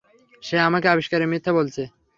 কে আমাদের আবিষ্কারকে মিথ্যা বলেছে?